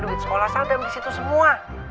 duit sekolah saddam disitu semua